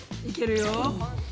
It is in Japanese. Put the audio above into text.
いけるよ。